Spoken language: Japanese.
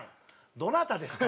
どなたですか？